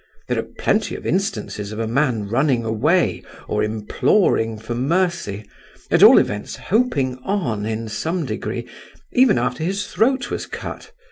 There are plenty of instances of a man running away, or imploring for mercy—at all events hoping on in some degree—even after his throat was cut.